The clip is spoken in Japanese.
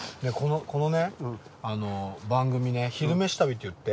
このね番組ね「昼めし旅」っていって。